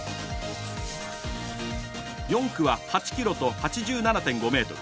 ４区は８ｋｍと８７．５ｍ。